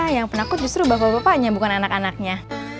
yang penakut justru bapak bapaknya bukan anak anaknya